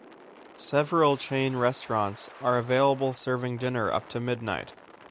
Several chain restaurants are available serving dinner up to midnight.